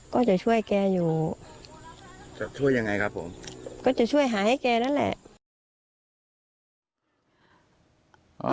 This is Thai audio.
ก็จะช่วยแกอยู่จะช่วยยังไงครับผมก็จะช่วยหาให้แกนั่นแหละ